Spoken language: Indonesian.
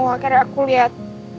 akhirnya aku liat